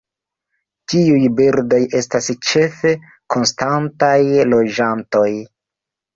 Tiuj birdoj estas ĉefe konstantaj loĝantoj.